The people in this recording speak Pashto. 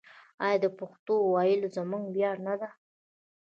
آیا د پښتو ویل زموږ ویاړ نه دی؟